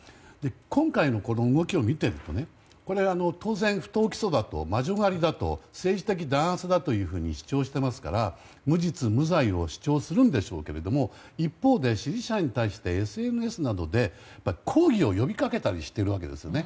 今回の動きを見ているとこれは当然、不当起訴だと魔女狩りだと政治的弾圧だというふうに主張していますから無実・無罪を主張するんでしょうけれども一方で支持者に対してＳＮＳなどで抗議を呼びかけたりしてるわけですよね。